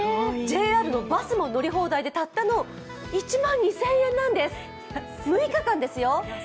ＪＲのバスも乗り放題でたったの１万２０００円なんです、６日間ですよ。